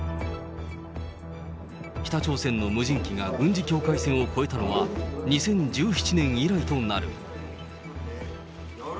北朝鮮の無人機が軍事境界線を越えたのは２０１７年以来となる。